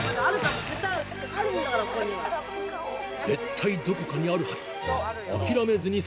絶対どこかにあるはず！